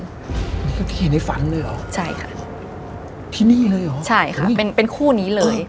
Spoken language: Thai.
นี่ก็เป็นที่เห็นให้ฝันเลยหรอที่นี่เลยหรออเรนนี่ใช่ค่ะเป็นคู่นี้เลย